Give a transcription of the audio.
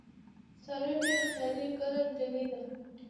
ساره ډېره خیالي ګره نجیلۍ ده.